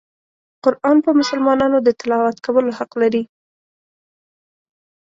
قرآن په مسلمانانو د تلاوت کولو حق لري.